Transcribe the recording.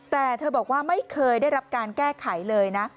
แต่เธอบอกว่าไม่เคยได้รับการแก้ไขเลยนะ